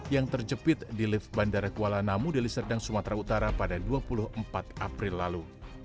yang terjepit di lift bandara kuala namu deliserdang sumatera utara pada dua puluh empat april lalu